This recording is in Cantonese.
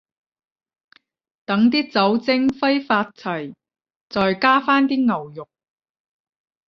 等啲酒精揮發齊，再加返啲牛肉